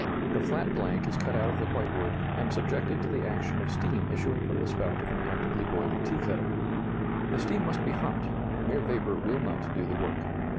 The flat blank is cut out of the whitewood, and subjected to the action of steam issuing from the spout of an actively boiling tea kettle. The steam must be hot; mere vapor will not do the work.